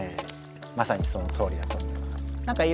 まさにそのとおりだと思います。